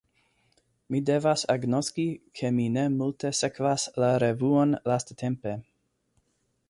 Mi devas agnoski, ke mi ne multe sekvas la revuon lastatempe.